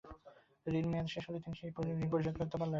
ঋণের মেয়াদ শেষ হলে তিনি সেই ঋণ পরিশোধ করতে পারলেন না।